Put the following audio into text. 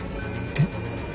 えっ？